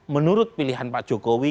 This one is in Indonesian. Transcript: menurut pilihan pak jokowi